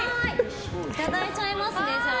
いただいちゃいますね、じゃあ。